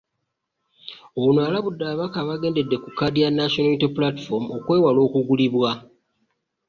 Ono alabudde abakaka abagendedde ku kkaadi ya National Unity Platform okwewala okuguliribwa